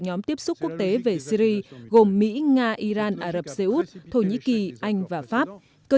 nhóm tiếp xúc quốc tế về syri gồm mỹ nga iran ả rập xê út thổ nhĩ kỳ anh và pháp cơ